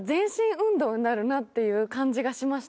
になるなっていう感じがしました。